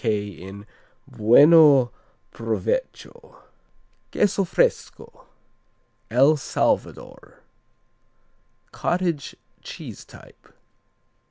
D.K.K. in Bueno Provecho. Queso Fresco El Salvador Cottage cheese type.